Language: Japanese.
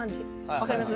わかります？